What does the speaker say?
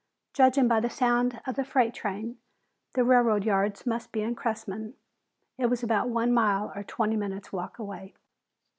Judging by the sound of the freight train the railroad yards must be in Cressman it was about one mile or twenty minutes' walk away.